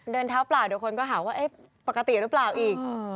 เดินเท้าเปล่าเดี๋ยวคนก็หาว่าปกติหรือเปล่าอีก